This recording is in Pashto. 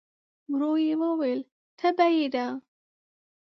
ورو يې وویل: تبه يې ده؟